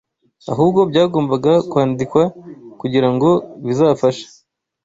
ahubwo byagombaga kwandikwa kugira ngo bizafashe